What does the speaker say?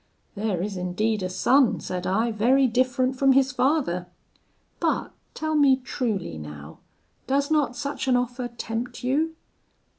"'There is indeed a son,' said I, 'very different from his father! But tell me truly, now, does not such an offer tempt you?'